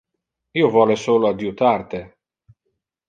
Io vole solo adjutar te.